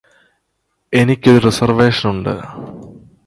എനിക്കൊരു റിസർവേഷനുണ്ട്